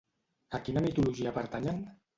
A quina mitologia pertanyen?